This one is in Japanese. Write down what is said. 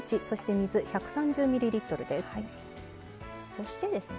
そしてですね